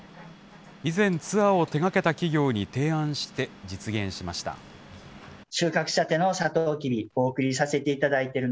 以前、ツアーを手がけた企業に提案して、実現しました。